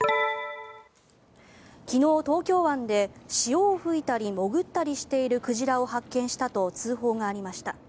昨日、東京湾で潮を噴いたり潜ったりしている鯨を発見したと通報がありました。